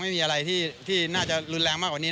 ไม่มีอะไรที่น่าจะรุนแรงมากกว่านี้